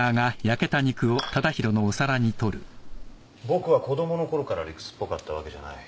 僕は子供のころから理屈っぽかったわけじゃない。